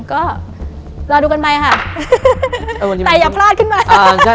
ก็รอดูกันไปค่ะแต่อย่าพลาดขึ้นมา